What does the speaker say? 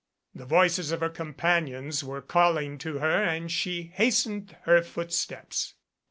The voices of her companions were calling to her and she hastened her footsteps.